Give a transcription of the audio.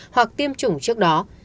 hoặc tiêm chủng trước đó